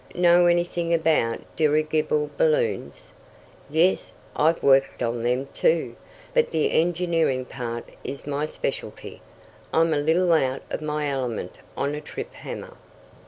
"Know anything about dirigible balloons?" "Yes, I've worked on them, too, but the engineering part is my specialty. I'm a little out of my element on a trip hammer."